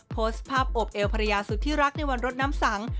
โพสต์ภาพโอบเอวภรรยาสุดที่รักในวันรถน้ำสัง